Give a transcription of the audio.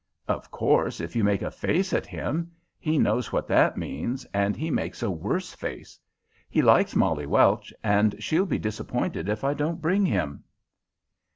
"Of course, if you make a face at him. He knows what that means, and he makes a worse face. He likes Molly Welch, and she'll be disappointed if I don't bring him."